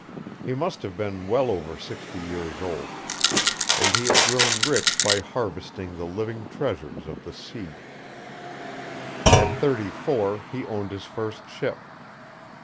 He must have been well over sixty years old; and he had grown rich by harvesting the living treasures of the sea. At thirty four, he owned his first ship.